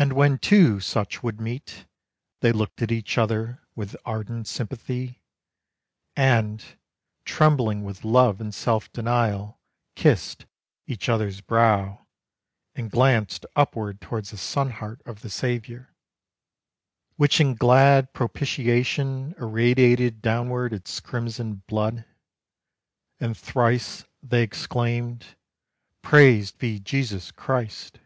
And when two such would meet, They looked at each other with ardent sympathy And, trembling with love and self denial, Kissed each other's brow, And glanced upward Towards the sun heart of the Savior, Which in glad propitiation irradiated downward Its crimson blood: And thrice they exclaimed, "Praised be Jesus Christ!"